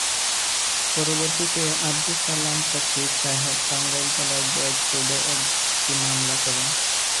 পরবর্তীতে আব্দুস সালাম ফকির সাহেব টাঙ্গাইল জেলা জজ কোর্টে একটি মামলা করেন।